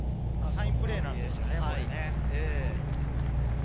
サインプレーなんですよね。